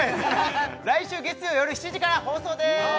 来週月曜よる７時から放送です